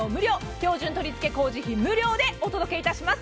標準取り付け工事費無料でお届けします。